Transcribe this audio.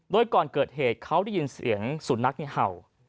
โดยก่อนเกิดเหตุเขาได้ยินเสียงสุนัขเห่า